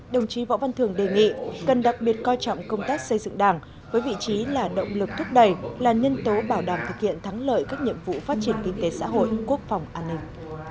đồng chí võ văn thường đề nghị cần đặc biệt coi trọng công tác xây dựng đảng với vị trí là động lực thúc đẩy là nhân tố bảo đảm thực hiện thắng lợi các nhiệm vụ phát triển kinh tế xã hội quốc phòng an ninh